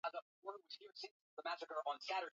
lazwa katika hospitali mbalimbali na wameambukizwa